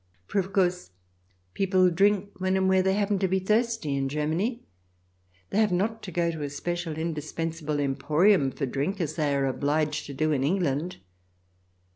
For, of course, people drink when and where they happen to be thirsty in Germany ; they have not to go to a special, indispensable emporium for drink as they are obliged to do in England.